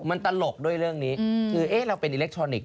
มันตลกด้วยเรื่องนี้คือเอ๊ะเราเป็นอิเล็กทรอนิกส